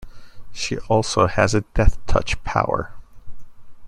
She also has a death touch power.